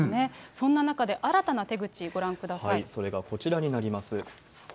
そんな中で、新たな手口、ご覧くそれがこちらになります。